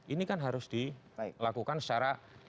ini kan harus dilakukan secara